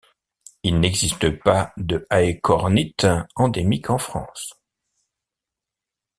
Il n'existe pas de Aequornithes endémiques en France.